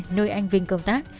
nơi anh vinh công tác